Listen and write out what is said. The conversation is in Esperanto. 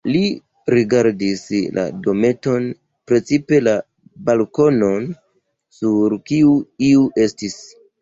Li rigardis la dometon, precipe la balkonon, sur kiu iu estis.